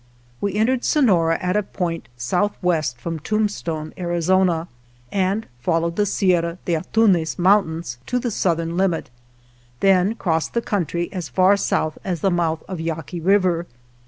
We entered Sonora at a point southwest from Tombstone, Arizona, and followed the Sierra de Antunez Moun tains to the southern limit, then crossed the country as far south as the mouth of Yaqui River.